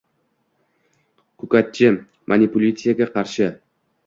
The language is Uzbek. ko‘katchi manipulyatsiyaga qarshi